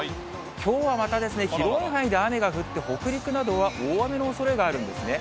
きょうはまた広い範囲で雨が降って、北陸などは大雨のおそれがあるんですね。